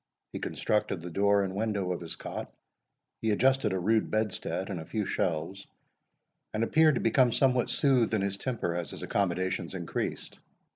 He constructed the door and window of his cot, he adjusted a rude bedstead, and a few shelves, and appeared to become somewhat soothed in his temper as his accommodations increased.